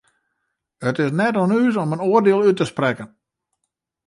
It is net oan ús om in oardiel út te sprekken.